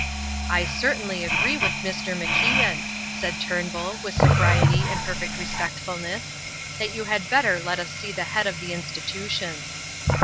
"I certainly agree with Mr. MacIan," said Turnbull with sobriety and perfect respectfulness, "that you had better let us see the head of the institution."